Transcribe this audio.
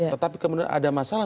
tetapi kemudian ada masalah